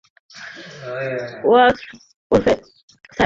Porous ওরফে Purushottam, sir.